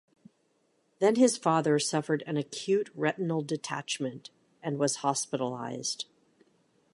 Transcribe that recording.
Then his father suffered an acute retinal detachment and was hospitalized.